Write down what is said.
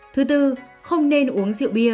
thứ tư không nên uống rượu bia